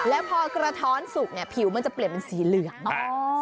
แล้วพอกระท้อนสุกเนี่ยผิวมันจะเปลี่ยนเป็นสีเหลือง